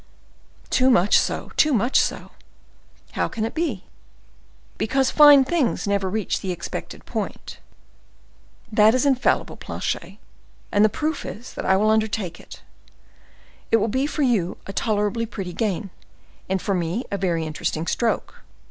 "Too much so—too much so." "How can that be?" "Because fine things never reach the expected point." "This is infallible, Planchet, and the proof is that I undertake it. It will be for you a tolerably pretty gain, and for me a very interesting stroke.